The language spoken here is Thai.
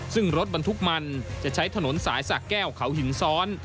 ซึ่งรถบรรทุกมันจะใช้ถนนสายสะแก้วเขาหินซ้อน